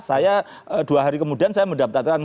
saya dua hari kemudian saya mendaftarkan